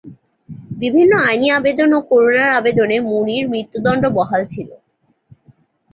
বিভিন্ন আইনি আবেদন ও করুণার আবেদনে মুনির মৃত্যুদণ্ড বহাল ছিল।